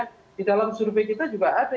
di dalam survei kita juga ada